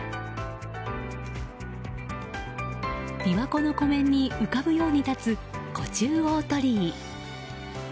琵琶湖の湖面に浮かぶように立つ、湖中大鳥居。